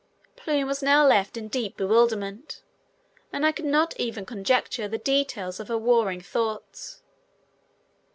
Plume was now left in deep bewilderment, and I could not even conjecture the details of her warring thoughts.